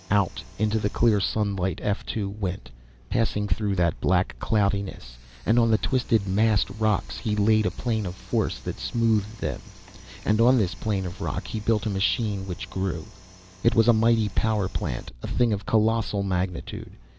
Out into the clear sunlight F 2 went, passing through that black cloudiness, and on the twisted, massed rocks he laid a plane of force that smoothed them, and on this plane of rock he built a machine which grew. It was a mighty power plant, a thing of colossal magnitude.